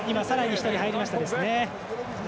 １人入りましたね。